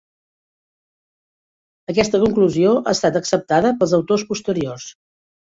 Aquesta conclusió ha estat acceptada pels autors posteriors.